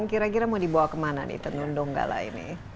kira kira mau dibawa kemana nih tenun donggala ini